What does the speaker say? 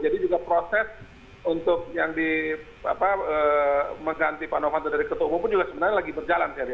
jadi juga proses untuk yang di apa mengganti pak novanto dari ketua umum pun juga sebenarnya lagi berjalan